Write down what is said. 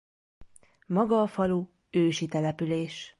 Maga a falu ősi település.